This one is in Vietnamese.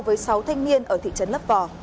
với sáu thanh niên ở thị trấn lấp vò